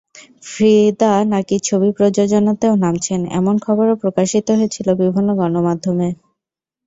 ফ্রিদা নাকি ছবি প্রযোজনাতেও নামছেন— এমন খবরও প্রকাশিত হয়েছিল বিভিন্ন গণমাধ্যমে।